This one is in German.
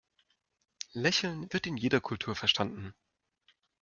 Lächeln wird in jeder Kultur verstanden.